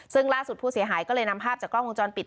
ซึ่งล่าสุดผู้เสียหายก็เลยนำภาพจากกล้องวงจรปิด